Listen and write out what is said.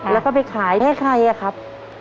แล้วก็ไปขายให้ใครอะครับ